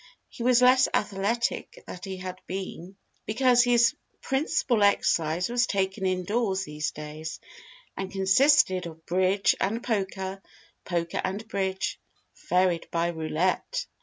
He was less athletic that he had been, because his principal exercise was taken indoors these days, and consisted of bridge and poker, poker and bridge, varied by roulette.